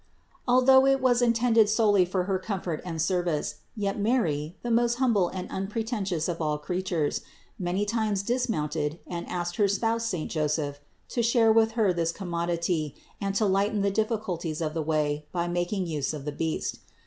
Although it was intended solely for her comfort and service, yet Mary, the most humble and unpretentious of all creatures, many times dismounted and asked her spouse saint Joseph to share with Her this commodity and to lighten the difficulties of the way by making use of the beast.